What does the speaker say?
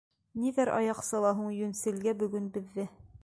Ниҙәр аяҡ сала һуң йүнселгә бөгөн беҙҙә?